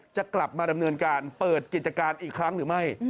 จะกลับมาดำเนินการเปิดกิจการอีกครั้งหรือไม่